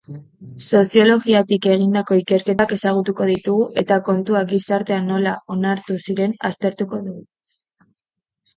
Soziologiatik egindako ikerketak ezagutuko ditugu eta kantuak gizartean nola onartu ziren aztertuko dugu.